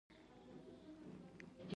انرژي ژوند ده.